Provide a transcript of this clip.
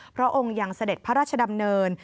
พระองค์ยังเสด็จพระราชดำเนิน